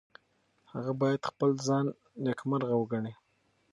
هغه باید خپل ځان نیکمرغه وګڼي.